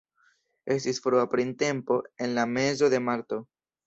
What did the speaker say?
Estis frua printempo en la mezo de marto.